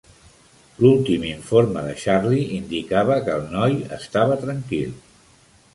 L'últim informe de Charley indicava que el noi estava tranquil.